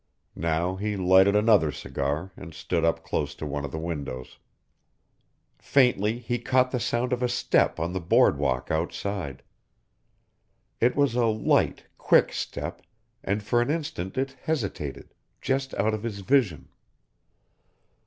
Now he lighted another cigar and stood up close to one of the windows. Faintly he caught the sound of a step on the board walk outside. It was a light, quick step, and for an instant it hesitated, just out of his vision.